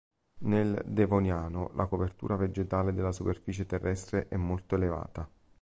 Nel Devoniano la copertura vegetale della superficie terrestre è molto elevata.